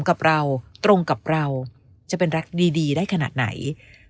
ให้เราตรงกับเราจะเป็นรักดีได้ขนาดไหนเพราะไม่ว่ายังไงก็ตาม